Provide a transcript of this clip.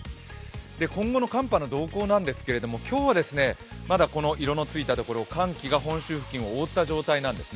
今後の寒波の動向なんですが、今日はこの色のついたところ寒気が本州付近を覆った状態なんですね。